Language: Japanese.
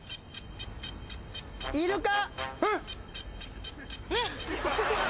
イルカ。